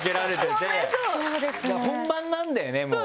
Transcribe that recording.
本番なんだよねもう。